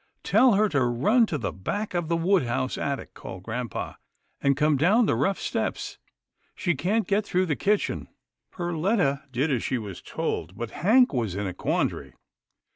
" Tell her to run to the back of the wood house attic," called grampa, " and come down the rough steps, she can't get through the kitchen." Perletta did as she was told, but Hank was in a quandary.